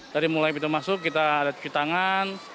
dari mulai pintu masuk kita ada cuci tangan